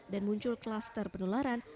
dan muncul kluster penularan